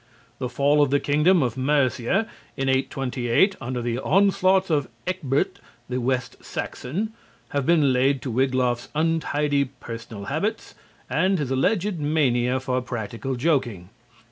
The fall of the kingdom of Mercia in 828 under the the onslaughts of Ecgberht the West Saxon, have been laid to Wiglaf's untidy personal habits and his alleged mania for practical joking.